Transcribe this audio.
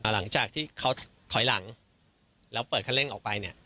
หลังจากที่เขาถอยหลังแล้วเปิดคันเร่งออกไปเนี่ย